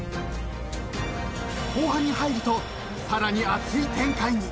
［後半に入るとさらに熱い展開に］